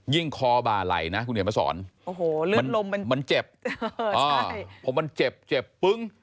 ยิ่งคอบาไหลนะคุณเหนียวมาสอนมันเจ็บเพราะมันเจ็บเจ็บปึ้ง